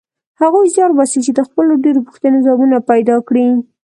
هغوی زیار باسي چې د خپلو ډېرو پوښتنو ځوابونه پیدا کړي.